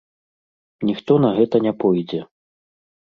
Ніхто на гэта не пойдзе.